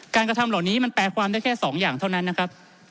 กระทำเหล่านี้มันแปลความได้แค่๒อย่างเท่านั้นนะครับ